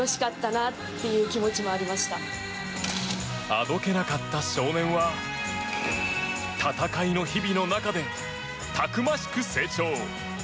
あどけなかった少年は戦いの日々の中でたくましく成長。